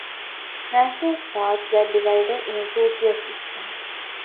National squads were divided in a two-tier system.